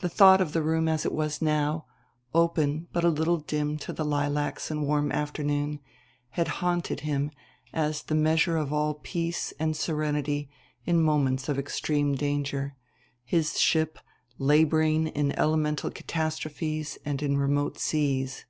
The thought of the room as it was now, open but a little dim to the lilacs and warm afternoon, had haunted him as the measure of all peace and serenity in moments of extreme danger, his ship laboring in elemental catastrophes and in remote seas.